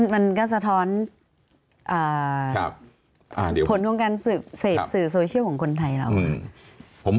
มันก็สะท้อนผลของการเสพสื่อโซเชียลของคนไทยเรา